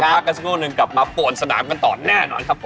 พักกันสักครู่นึงกลับมาป่วนสนามกันต่อแน่นอนครับผม